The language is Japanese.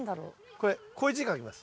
これこういう字書きます。